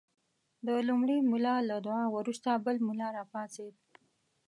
د لومړي ملا له دعا وروسته بل ملا راپاڅېد.